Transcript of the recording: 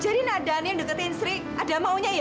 jadi nadaan yang deketin sri ada maunya ya